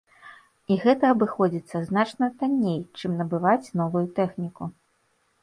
І гэта абыходзіцца значна танней, чым набываць новую тэхніку.